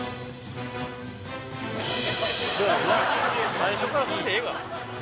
最初からそれでええわ